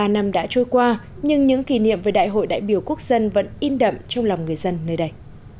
bốn mươi năm đã trôi qua nhưng những kỷ niệm về đại hội đại biểu quốc dân vẫn in đậm trong lòng người dân nơi đây